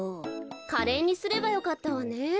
カレーにすればよかったわね。